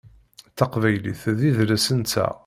Taqbaylit d idles-nteɣ.